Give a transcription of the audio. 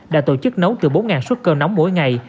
đã tổ chức nấu từ bốn suất cơm nóng mỗi ngày